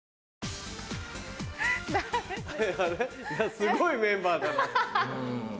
すごいメンバーだ。